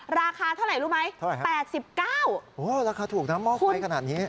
ราคาเท่าไหร่รู้ไหมเท่าไหร่ครับแปดสิบเก้าโอ้โหราคาถูกนะมอบไปขนาดนี้